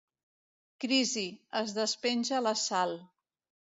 Crisi, es despenja la Sal.